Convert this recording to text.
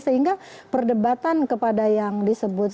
sehingga perdebatan kepada yang disebut